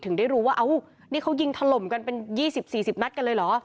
ถึงได้รู้ว่าเอ้านี่เขายิงถล่มกันเป็นยี่สิบสี่สิบนัดกันเลยเหรอ